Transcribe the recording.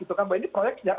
ini proyek sejarah